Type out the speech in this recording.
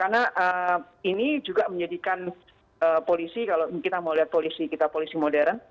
karena ini juga menjadikan polisi kalau kita mau lihat polisi kita polisi modern